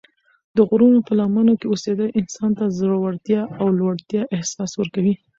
د غرونو په لمنو کې اوسېدل انسان ته د زړورتیا او لوړتیا احساس ورکوي.